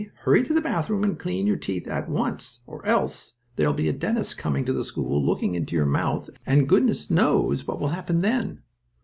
Hurry to the bathroom and clean your teeth at once, or else there'll be a dentist coming to the school looking into your mouth and goodness knows what will happen then.